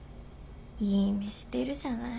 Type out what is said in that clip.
いい目してるじゃない。